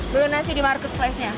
belum nasi di marketplace nya